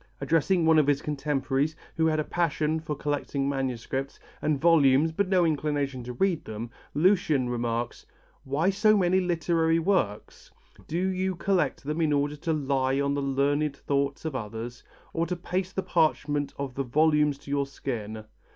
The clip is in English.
Addressing one of his contemporaries who had a passion for collecting manuscripts and volumes but no inclination to read them, Lucian remarks: "Why so many literary works? Do you collect them in order to lie on the learned thoughts of others, or to paste the parchment of the volumes to your skin?